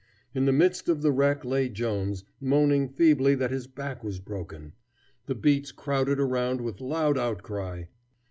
In the midst of the wreck lay Jones, moaning feebly that his back was broken. The beats crowded around with loud outcry.